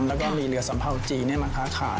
แล้วก็มีเรือสัมเภาจีนมาค้าขาย